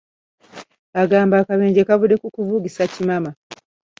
Agamba akabenje kavudde ku kuvugisa kimama .